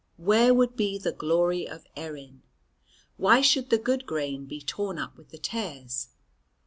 Where would be the glory of Erin? Why should the good grain be torn up with the tares?